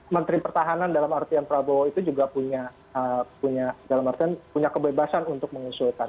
menteri pertahanan dalam artian prabowo itu juga punya kebebasan untuk mengusulkan